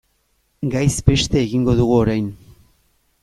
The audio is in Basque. Gaiz beste egingo dugu orain.